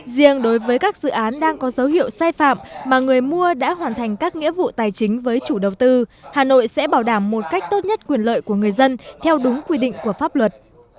riêng đối với các dự án đang có dấu hiệu sai phạm mà người mua đã hoàn thành các nghĩa vụ tài chính với chủ đầu tư hà nội sẽ bảo đảm một cách tốt nhất quyền lợi của người dân theo đúng quy định của pháp luật